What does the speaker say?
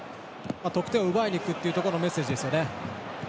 得点を奪いにいくというところのメッセージですね。